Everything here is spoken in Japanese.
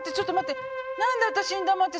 何で私に黙ってそんな。